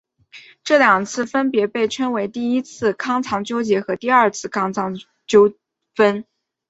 这两次分别被称为第一次康藏纠纷和第二次康藏纠纷。